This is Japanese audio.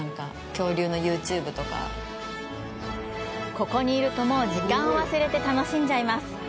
ここにいると、もう時間を忘れて楽しんじゃいます！